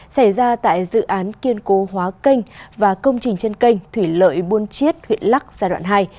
xảy ra tại dự án kiên cố hóa kênh và công trình trên kênh thủy lợi buôn chiết huyện lắc giai đoạn hai